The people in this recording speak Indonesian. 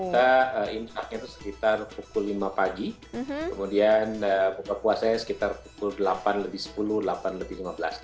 kita imsaknya itu sekitar pukul lima pagi kemudian buka puasanya sekitar pukul delapan lebih sepuluh delapan lebih lima belas tiga puluh